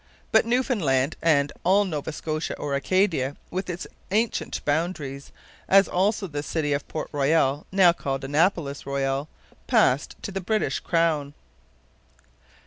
But Newfoundland and 'all Nova Scotia or Acadia, with its ancient boundaries, as also the city of Port Royal, now called Annapolis Royal,' passed to the British crown.